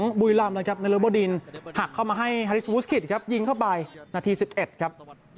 บุรีรำนะครับในโลโบดินหักเข้ามาให้ฮาริสมูสคิตครับยิงเข้าไปนาที๑๑ครับ